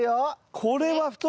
これは太い太い。